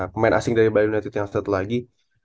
pemain asing dari bali united yang satu lagi